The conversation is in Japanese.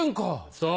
そう。